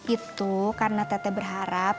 itu karena tete berharap